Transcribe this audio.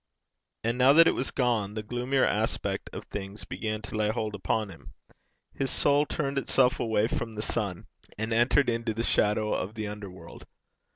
And now that it was gone, the gloomier aspect of things began to lay hold upon him; his soul turned itself away from the sun, and entered into the shadow of the under world.